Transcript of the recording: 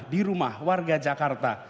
di rumah warga jakarta